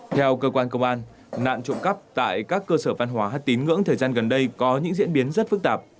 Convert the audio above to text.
theo cơ quan công an nạn trộm cắp tại các cơ sở văn hóa tín ngưỡng thời gian gần đây có những diễn biến rất phức tạp